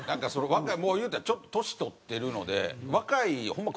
若いもう言うたらちょっと年取ってるので若いホンマ